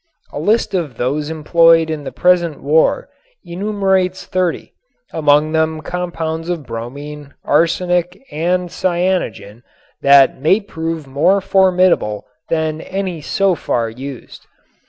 A list of those employed in the present war enumerates thirty, among them compounds of bromine, arsenic and cyanogen that may prove more formidable than any so far used.